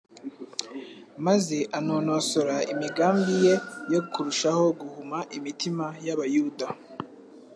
maze anonosora imigambi ye yo kurushaho guhuma imitima y’Abayuda